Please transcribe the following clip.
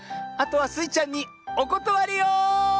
あとはスイちゃんにおことわりよ。